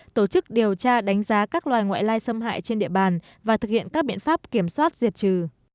tổ chức điều tra đánh giá các loài ngoại lai xâm hại trên địa bàn và thực hiện các biện pháp kiểm soát diệt trừ